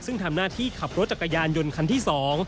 ซึ่งทำหน้าที่ขับรถจักรยานยนต์คันที่๒